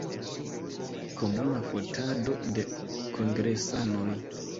Komuna fotado de kongresanoj.